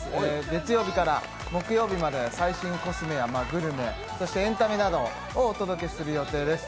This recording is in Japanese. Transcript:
月曜日から木曜日まで最新コスメやグルメ、そしてエンタメなどをお届けする予定です。